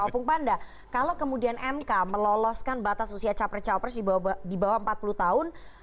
opung panda kalau kemudian mk meloloskan batas usia capres cawapres di bawah empat puluh tahun